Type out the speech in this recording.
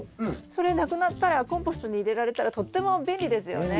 それなくなったらコンポストに入れられたらとっても便利ですよね。